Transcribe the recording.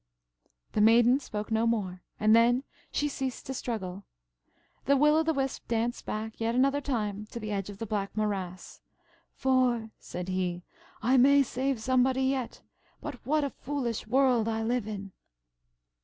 The Maiden spoke no more, and then she ceased to struggle. The Will o' the Wisp danced back yet another time to the edge of the black morass; "for," said he, "I may save somebody yet. But what a foolish world I live in!"